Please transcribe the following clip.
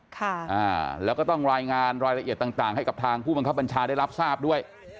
ค่ะอ่าแล้วก็ต้องรายงานรายละเอียดต่างต่างให้กับทางผู้บังคับบัญชาได้รับทราบด้วย